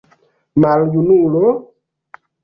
Maljunulo?